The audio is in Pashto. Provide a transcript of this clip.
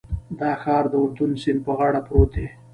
دا ښار د اردن سیند په غاړه پروت دی.